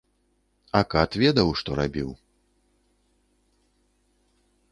А кат ведаў, што рабіў.